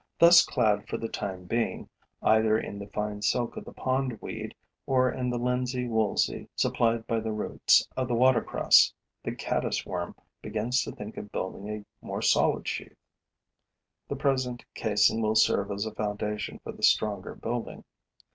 Thus clad for the time being, either in the fine silk of the pond weed or in the linsey woolsey supplied by the roots of the watercress, the caddis worm begins to think of building a more solid sheath. The present casing will serve as a foundation for the stronger building.